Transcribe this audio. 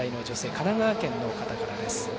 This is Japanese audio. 神奈川県の方からです。